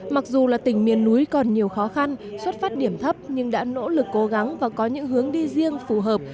mặc dù là tỉnh miền núi còn nhiều khó khăn xuất phát điểm thấp nhưng đã nỗ lực cố gắng và có những hướng đi riêng phù hợp